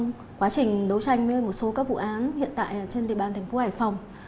trong quá trình đấu tranh với một số các vụ án hiện tại trên địa bàn tp hải phòng